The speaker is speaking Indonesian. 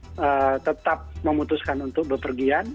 atau masyarakat yang tetap memutuskan untuk berpergian